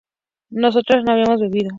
¿nosotras no habíamos bebido?